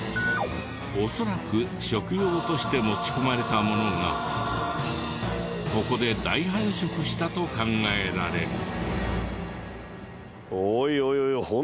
恐らく食用として持ち込まれたものがここで大繁殖したと考えられる。